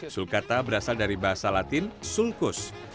sulkata berasal dari bahasa latin sulkus